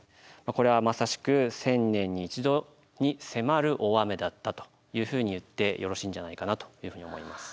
これはまさしく１０００年に１度に迫る大雨だったというふうに言ってよろしいんじゃないかなというふうに思います。